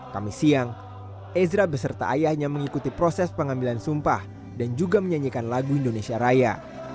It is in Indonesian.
kami siang ezra beserta ayahnya mengikuti proses pengambilan sumpah dan juga menyanyikan lagu indonesia raya